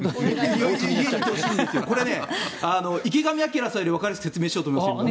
これ、池上彰さんよりわかりやすく説明しようと思います。